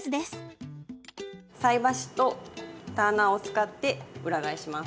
菜箸とターナーを使って裏返します。